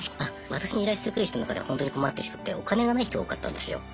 私に依頼してくる人の中でホントに困ってる人ってお金がない人が多かったんですよ。